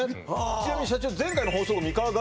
ちなみに社長